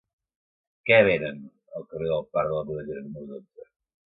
Què venen al carrer del Parc de la Budellera número dotze?